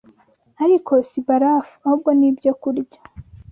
Ariko si barafu; ahubwo ni ibyokurya